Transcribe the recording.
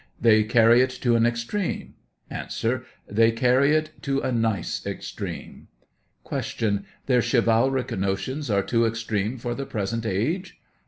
They carry it to an extreme ? A. They carry it to a nice extreme. Q. Their chivalric notions are too extreme for the present age